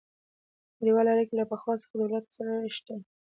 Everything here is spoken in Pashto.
نړیوالې اړیکې له پخوا څخه د دولتونو سره شته